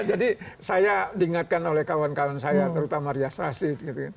jadi saya diingatkan oleh kawan kawan saya terutama rias rasid